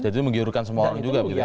jadi menggiurkan semua orang juga